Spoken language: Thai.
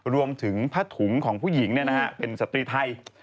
รวมถึงพระถุงของผู้หญิงเนี่ยนะฮะเป็นสตรีไทย